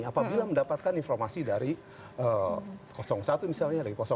apabila mendapatkan informasi dari satu misalnya dari